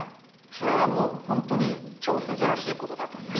それはもう本当に超珍しいことだと思います。